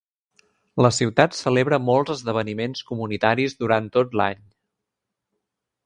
La ciutat celebra molts esdeveniments comunitaris durant tot l'any.